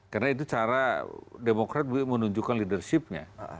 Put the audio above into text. karena itu cara demokrat menunjukkan leadership nya